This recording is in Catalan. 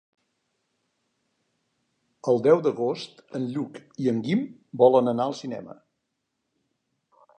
El deu d'agost en Lluc i en Guim volen anar al cinema.